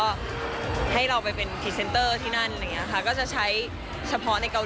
อ๋ออันนั้นก็จะเป็นอีกแคมเปญนึงที่ไปถ่ายไว้สักพักใหญ่แล้วค่ะ